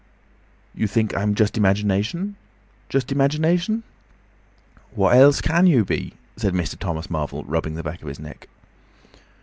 "You think I'm just imagination? Just imagination?" "What else can you be?" said Mr. Thomas Marvel, rubbing the back of his neck.